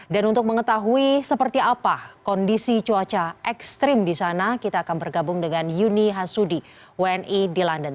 dan untuk mengetahui seperti apa kondisi cuaca ekstrim di sana kita akan bergabung dengan yuni hasudi wni di london